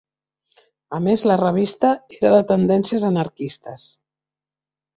A més la revista era de tendències anarquistes.